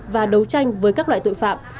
và đấu tranh với các loại tội phạm